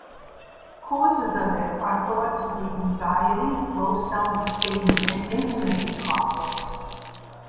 Causes of it are thought to be anxiety, low self-esteem and intimacy problems.